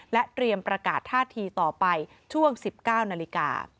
เตรียมประกาศท่าทีต่อไปช่วง๑๙นาฬิกา